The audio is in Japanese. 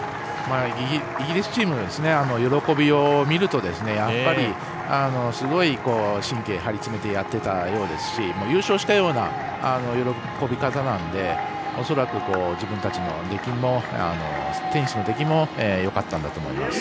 イギリスチームの喜びを見るとやっぱり、すごい神経張り詰めてやっていたようですし優勝したような喜び方なので恐らく自分たちのテニスの出来もよかったんだと思います。